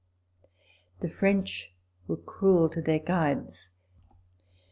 The French were cruel to their guides.